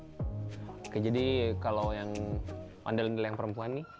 oke jadi kalau yang ondel ondel yang perempuan nih